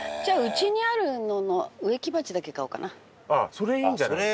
それいいんじゃないですか？